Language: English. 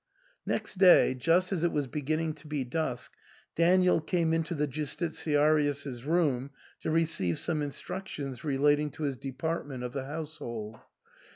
Next day, just as it was beginning to be dusk, Daniel came into the Justitiarius's room to receive some in structions relating to his department of the household.